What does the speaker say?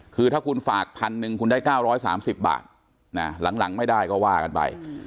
คือถ้าคุณฝากพันหนึ่งคุณได้๙๓๐บาทหลังไม่ได้ก็ว่ากันไป